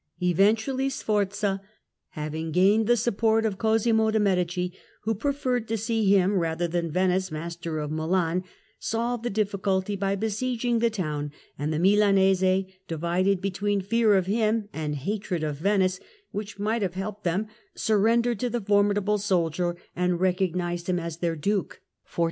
Eventually Sforza, having gained the support i45o"' of Cosimo de' Medici who preferred to see him rather than Venice master of Milan, solved the difficulty by be sieging the town, and the Milanese, divided between fear of him and hatred of Venice, which might have helped them, surrendered to the formidable soldier, and recog nised him as their Duke.